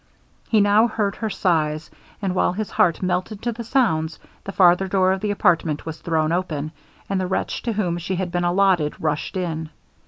He now heard her sighs; and while his heart melted to the sounds, the farther door of the apartment was thrown open, and the wretch to whom she had been allotted, rushed in.